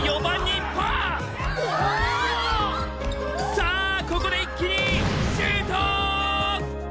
さあここで一気にシュート！